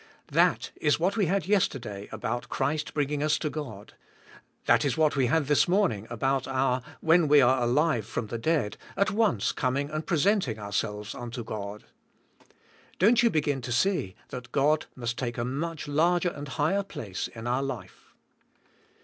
That is what we had yesterday about Christ bringing" us to God. That is what we had this morning about our, when we are alive from the dead, at once coming and presenting ourselves unto God. Don't you begin to see that God must take a much larger and higher place in our life.